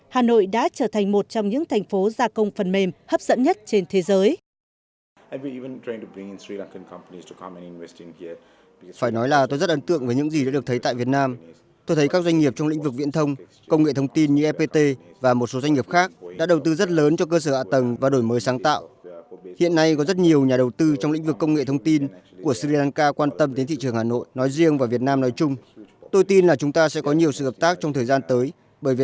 hà nội đã trở thành một trong những thành phố gia công phần mềm hấp dẫn nhất trên thế giới